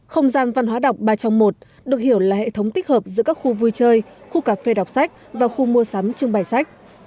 không gian văn hóa đọc ba trong một được hiểu là hệ thống tích hợp giữa các khu vui chơi khu cà phê đọc sách và khu mua sắm trưng bày sách